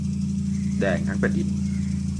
แดงทั้งแผ่นดิน